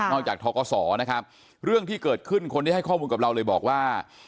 อกจากทกศนะครับเรื่องที่เกิดขึ้นคนที่ให้ข้อมูลกับเราเลยบอกว่า